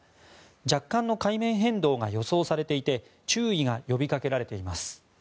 若干の海面変動が予想されていて注意を呼びかけられています。